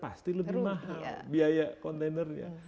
pasti lebih mahal biaya kontainernya